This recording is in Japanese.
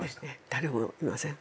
誰もいません。